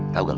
tau gak lu